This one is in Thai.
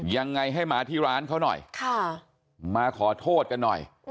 ยังไงให้มาที่ร้านเขาหน่อยมาขอโทษกันหน่อย